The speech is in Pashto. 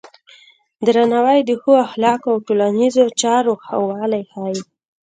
درناوی د ښو اخلاقو او د ټولنیزو چارو ښه والی ښيي.